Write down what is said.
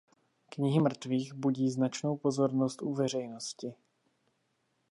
Knihy mrtvých budí značnou pozornost u veřejnosti.